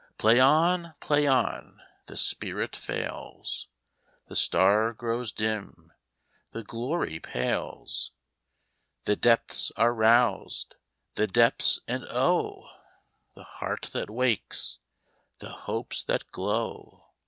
Play on! Play on! The spirit fails, The star grows dim, the glory pales, The depths are roused—the depths, and oh! The heart that wakes, the hopes that glow!